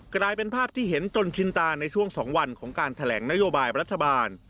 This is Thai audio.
กลายเป็นภาพที่เห็นจนชินตาในช่วง๒วันของการแถลงนโยบายรัฐบาล